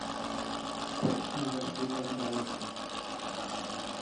Proč jsme zašli tak daleko?